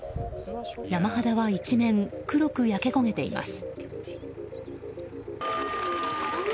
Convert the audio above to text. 山肌は一面黒く焼け焦げています。